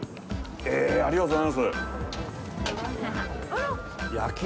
えぇ、ありがとうございます。